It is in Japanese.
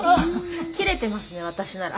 切れてますね私なら。